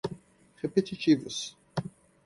repetitivos